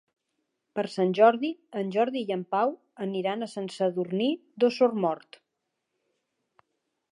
Per Sant Jordi en Jordi i en Pau aniran a Sant Sadurní d'Osormort.